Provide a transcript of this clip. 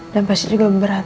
dan pasti juga berat